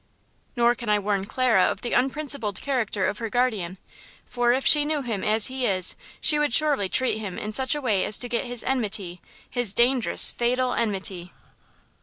"Nor can I warn Clara of the unprincipled character of her guardian, for if she knew him as he is she would surely treat him in such a way as to get his enmity–his dangerous, fatal enmity!